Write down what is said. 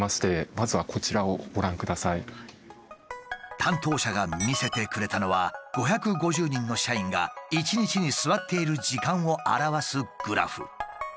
担当者が見せてくれたのは５５０人の社員が１日に座っている時間を表すグラフ。